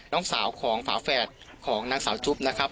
น้องสาวของฝาแฝดของนางสาวจุ๊บนะครับ